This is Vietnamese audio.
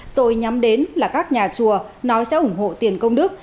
rồi nhắm đến là các nhà chùa nói sẽ ủng hộ tiền công đức